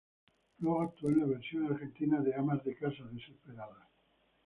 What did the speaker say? Luego actuó en la versión argentina de "Amas de casa desesperadas".